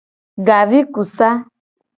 Gavikusa.